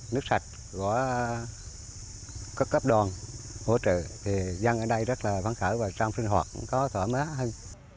nước sạch có cấp đoàn hỗ trợ thì dân ở đây rất là vắng khởi và trong sinh hoạt có thoải mái hơn